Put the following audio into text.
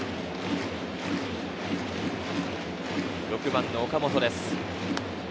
６番・岡本です。